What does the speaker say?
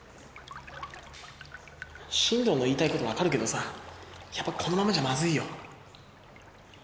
進藤の言いたいこと分かるけどさやっぱこのままじゃまずいよ。